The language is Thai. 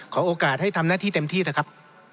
โอกาสให้ทำหน้าที่เต็มที่เถอะครับ